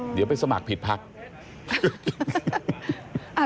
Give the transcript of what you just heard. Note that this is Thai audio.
เดี๋ยวไปสมัครผิดพัก